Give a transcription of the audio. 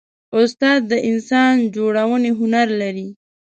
استاد د انسان جوړونې هنر لري.